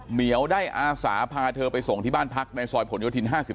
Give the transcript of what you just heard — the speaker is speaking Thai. เหี่ยวได้อาสาพาเธอไปส่งที่บ้านพักในซอยผลโยธิน๕๓